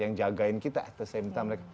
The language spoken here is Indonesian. yang jagain kita at the same time